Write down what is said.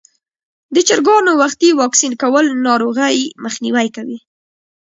د چرګانو وختي واکسین کول ناروغۍ مخنیوی کوي.